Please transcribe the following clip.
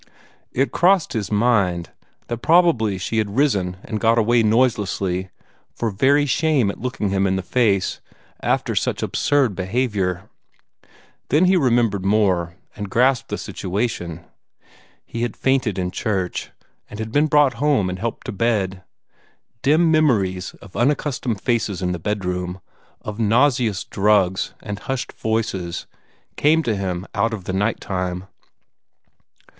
It crossed his mind that probably she had risen and got away noiselessly, for very shame at looking him in the face, after such absurd behavior. Then he remembered more, and grasped the situation. He had fainted in church, and had been brought home and helped to bed. Dim memories of unaccustomed faces in the bedroom, of nauseous drugs and hushed voices, came to him out of the night time.